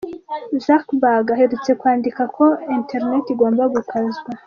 Zuckerberg aherutse kwandika ko internet igomba gukazwa.